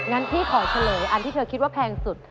งั้นพี่ขอเฉลยอันที่เธอคิดว่าแพงสุด